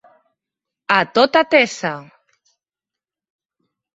A tota tesa.